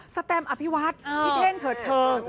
แตมอภิวัฒน์พี่เท่งเถิดเทิง